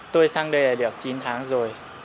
tôi sang đây là được chín tháng rồi